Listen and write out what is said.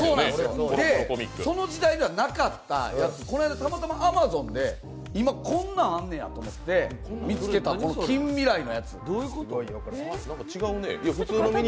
その時代にはなかったやつ、この間たまたまＡｍａｚｏｎで今こんなんあんねやと思って見つけたやつ、近未来の。